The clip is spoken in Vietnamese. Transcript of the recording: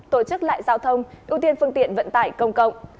tổ chức lại giao thông ưu tiên phương tiện vận tải công cộng